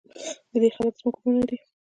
د دې خلک زموږ ورونه دي؟